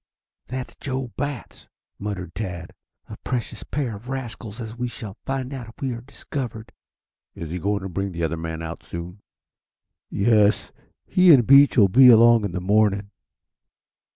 "That's Joe Batts," muttered Tad. "A precious pair of rascals, as we shall find out if we are discovered." "Is he going to bring the other man out soon?" "Yes. He and Beach will be along in the morning."